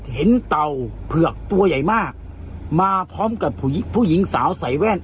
เต่าเผือกตัวใหญ่มากมาพร้อมกับผู้หญิงสาวใส่แว่น